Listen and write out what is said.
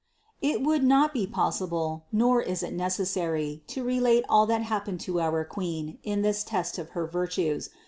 It would not be possible, nor is it necessary, to relate all that happened to our Queen in this test of her virtues.